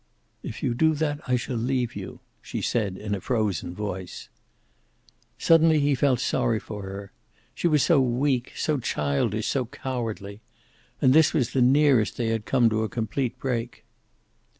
"If you do that I shall leave you," she said, in a frozen voice. Suddenly he felt sorry for her. She was so weak, so childish, so cowardly. And this was the nearest they had come to a complete break.